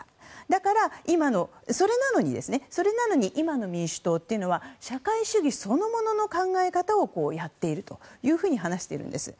だから、それなのに今の民主党というのは社会主義そのものの考え方をやっているというふうに話しているんです。